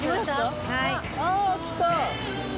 ああ来た。